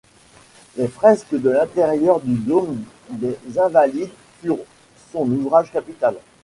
Les fresques de l’intérieur du dôme des Invalides furent son ouvrage capital.